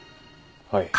はい。